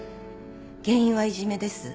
原因はいじめです。